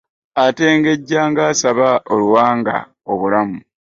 Atengejja nga asaba oluwanga obulamu .